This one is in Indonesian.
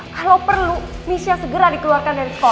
kalau perlu missnya segera dikeluarkan dari sekolah